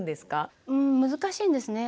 うん難しいんですね。